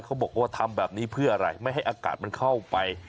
เขาบอกว่าทำแบบนี้เพื่ออะไรไม่ให้อากาศมันเข้าไป